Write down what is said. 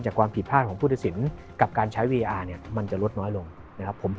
จากความผิดพลาดของผู้ทศิลป์